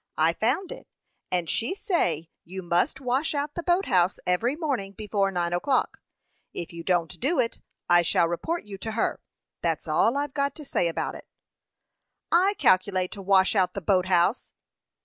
I found it, and she say you must wash out the boat house every morning before nine o'clock. If you don't do it, I shall report you to her. That's all I've got to say about it." "I calculate to wash out the boat house."